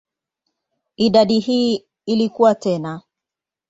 Idadi hii ilikua tena.